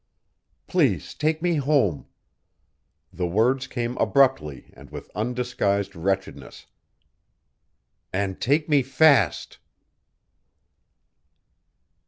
"Please take me home." The words came abruptly and with undisguised wretchedness, "and take me fast."